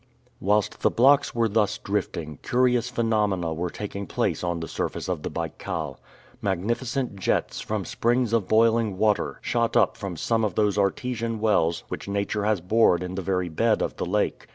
Whilst the blocks were thus drifting, curious phenomena were taking place on the surface of the Baikal. Magnificent jets, from springs of boiling water, shot up from some of those artesian wells which Nature has bored in the very bed of the lake.